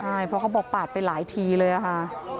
ใช่เพราะเขาบอกปาดไปหลายทีเลยค่ะ